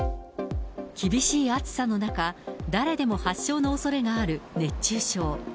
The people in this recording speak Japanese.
厳しい暑さの中、誰でも発症のおそれがある熱中症。